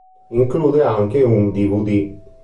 Include anche un Dvd.